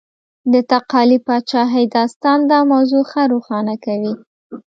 د تقالي پاچاهۍ داستان دا موضوع ښه روښانه کوي.